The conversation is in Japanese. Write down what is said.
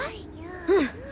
うん。